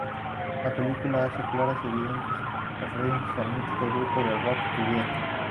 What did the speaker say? La película hace claras y evidentes referencias al mítico grupo de rock The Beatles.